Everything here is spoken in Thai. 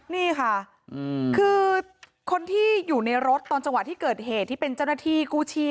นี่ค่ะคือคนที่อยู่ในรถตอนจังหวะที่เกิดเหตุที่เป็นเจ้าหน้าที่กู้ชีพ